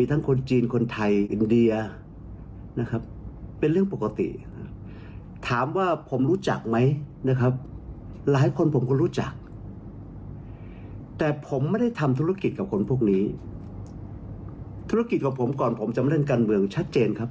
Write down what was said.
แต่ผมไม่ได้ทำธุรกิจกับคนพวกนี้ธุรกิจของผมก่อนผมจะมาเรื่องการเมืองชัดเจนครับ